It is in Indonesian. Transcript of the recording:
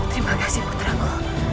terima kasih puteraku